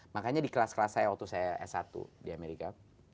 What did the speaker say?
makanya di kelas kelas saya waktu saya s satu di amerika